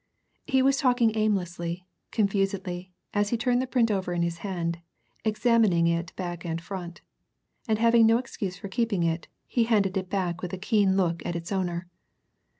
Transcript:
He was talking aimlessly, confusedly, as he turned the print over in his hand, examining it back and front. And having no excuse for keeping it, he handed it back with a keen look at its owner.